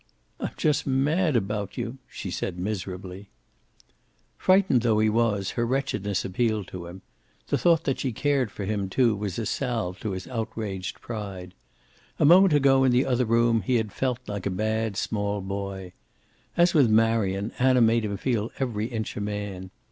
"I'm just mad about you," she said miserably. Frightened though he was, her wretchedness appealed to him. The thought that she cared for him, too, was a salve to his outraged pride. A moment ago, in the other room, he had felt like a bad small boy. As with Marion, Anna made him feel every inch a man.